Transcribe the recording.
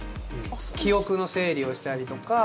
記憶の整理をしたりとか。